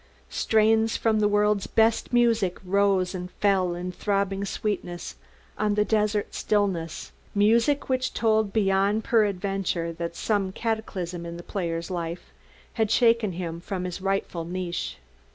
Strains from the world's best music rose and fell in throbbing sweetness on the desert stillness, music which told beyond peradventure that some cataclysm in the player's life had shaken him from his rightful niche.